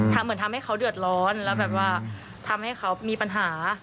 เหมือนทำให้เขาเดือดร้อนแล้วแบบว่าทำให้เขามีปัญหา